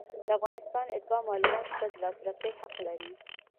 د افغانستان اتباع معلوماتو ته د لاسرسي حق لري.